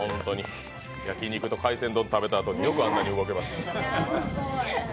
焼き肉と海鮮丼食べたあとによくあんなに動けます。